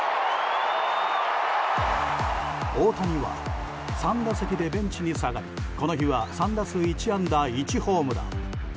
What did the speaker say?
大谷は３打席でベンチに下がりこの日は３打数１安打１ホームラン。